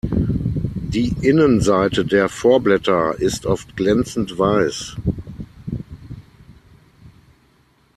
Die Innenseite der Vorblätter ist oft glänzend weiß.